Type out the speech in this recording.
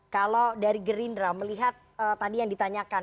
kalau dari gerindra melihat tadi yang ditanyakan